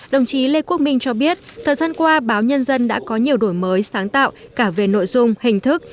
đồng chí lê quốc minh cho biết thời gian qua báo nhân dân đã có nhiều đổi mới sáng tạo cả về nội dung hình thức